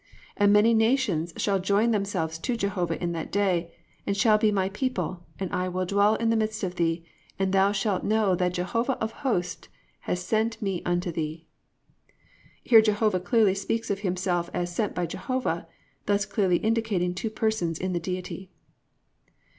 (11) And many nations shall join themselves to Jehovah in that day, and shall be my people and I will dwell in the midst of thee, and thou shalt know that Jehovah of hosts hath sent me unto thee."+ Here Jehovah clearly speaks of himself as sent by Jehovah, thus clearly indicating two persons in the Deity.